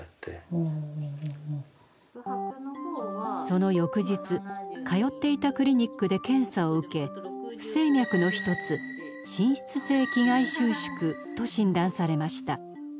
その翌日通っていたクリニックで検査を受け不整脈の一つ「心室性期外収縮」と診断されました。